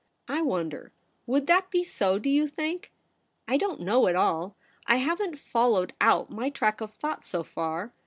' I wonder would that be so, do you think ? I don't know at all. I haven't followed out my track of thought so far.